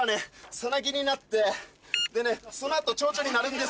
さなぎになってでねその後チョウチョウになるんですけど。